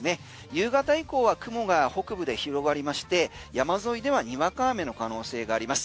夕方以降は雲が北部で広がりまして山沿いではにわか雨の可能性があります。